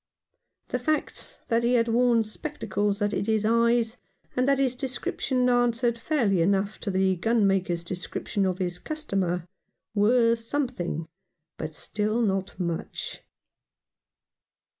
The facts that he had worn spectacles that hid his eyes, and that his description answered fairly enough to the gunmaker's description of his customer, were something, but still not much.